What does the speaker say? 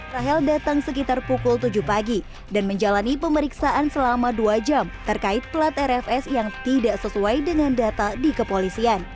rahel datang sekitar pukul tujuh pagi dan menjalani pemeriksaan selama dua jam terkait pelat rfs yang tidak sesuai dengan data di kepolisian